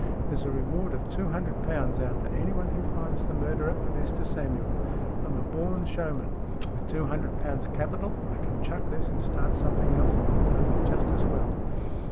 There's a reward of two hundred pounds out for anyone who finds the murderer of Esther Samuel. I'm a born showman. With two hundred pounds capital I can chuck this and start some thing else that will pay me just as well."